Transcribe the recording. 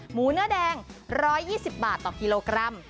หมูเนื้อแดง๑๒๐บาทต่อกิโลกรัม